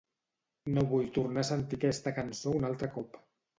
No vull tornar a sentir aquesta cançó un altre cop.